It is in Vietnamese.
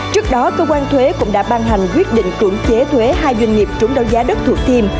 trước đó cơ quan thuế cũng đã ban hành quyết định cưỡng chế thuế hai doanh nghiệp trúng đấu giá đất thủ thiêm